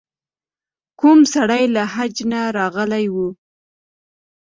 کوم سړی له حج نه راغلی و.